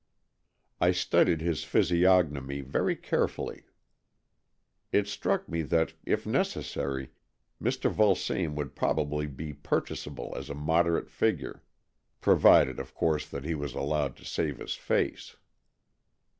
I studied his physiognomy very carefully. It struck me that, if necessary, Mr. Vulsame would probably be purchasable at a moderate figure, provided of course that he was allowed to save his face.